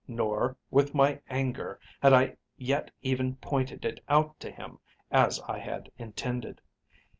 Nor, with my anger, had I yet even pointed it out to him as I had intended.